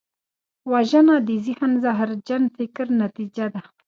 وژنه د ذهن زهرجن فکر نتیجه ده